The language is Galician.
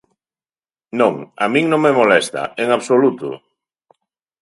Non, a min non me molesta, en absoluto.